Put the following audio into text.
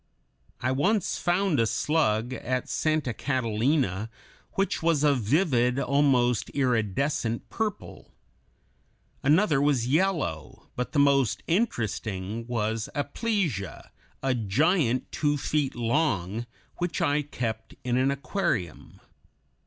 I once found a slug at Santa Catalina which was a vivid, almost iridescent purple; another was yellow; but the most interesting was Aplysia, a giant two feet long, which I kept in an aquarium.